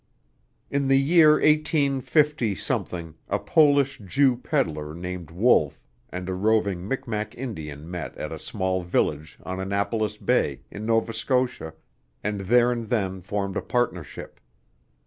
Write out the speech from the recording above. In the year 185 a Polish Jew peddler named Wolf and a roving Micmac Indian met at a small village on Annapolis Bay, in Nova Scotia, and there and then formed a partnership.